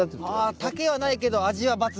丈はないけど味は抜群。